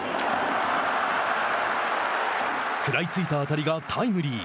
食らいついた当たりがタイムリー。